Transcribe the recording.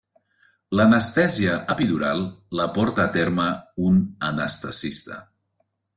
L’anestèsia epidural la porta a terme un anestesista.